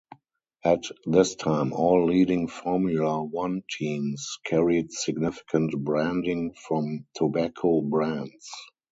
At this time all leading Formula One Teams carried significant branding from tobacco brands.